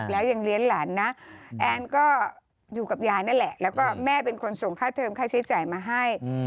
แล้วยังเลี้ยงหลานนะแอนก็อยู่กับยายนั่นแหละแล้วก็แม่เป็นคนส่งค่าเทิมค่าใช้จ่ายมาให้